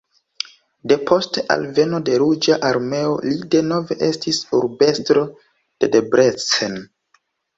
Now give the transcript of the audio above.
Depost alveno de Ruĝa Armeo li denove estis urbestro de Debrecen.